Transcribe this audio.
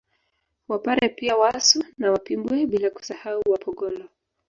Wapare pia Wasu na Wapimbwe bila kusahau Wapogolo